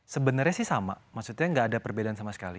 sebenarnya sih sama maksudnya nggak ada perbedaan sama sekali